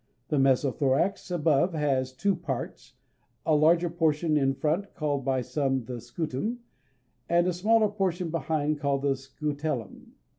The mesothorax above has two parts, a larger portion in front called by some the scutum (_b_^2), and a smaller portion behind called the scutellum (_b_^3).